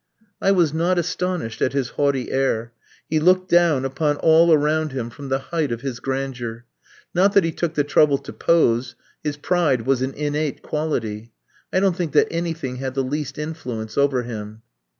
I was not astonished at his haughty air. He looked down upon all around him from the height of his grandeur. Not that he took the trouble to pose; his pride was an innate quality. I don't think that anything had the least influence over him.